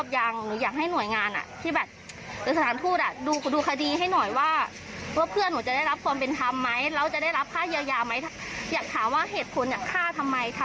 อยากให้เขารับผิดแล้วก็